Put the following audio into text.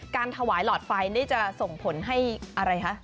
การถวายหลอดไฟนี่จะส่งผลให้อะไรคะ